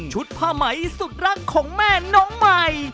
ผ้าไหมสุดรักของแม่น้องใหม่